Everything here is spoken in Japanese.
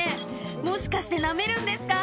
もしかしてなめるんですか？